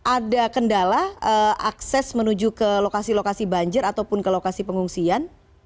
ada kendala akses menuju ke lokasi lokasi banjir ataupun ke lokasi pengungsian